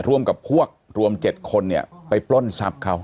ร่วมกับพวกรวม๗คนเนี่ยไปปล้นทรัพย์เขา